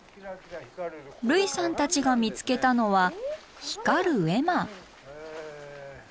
類さんたちが見つけたのは光る絵馬。